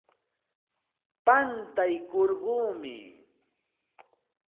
Pantaykurquumi.